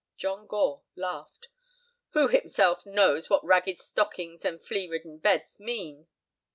John Gore laughed. "Who himself knows what ragged stockings and flea ridden beds mean."